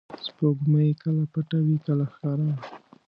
• سپوږمۍ کله پټه وي، کله ښکاره.